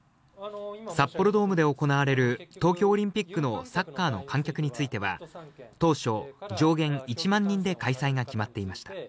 札幌ドームで行われる、東京オリンピックのサッカーの観客については、当初、上限１万人で開催が決まっていました。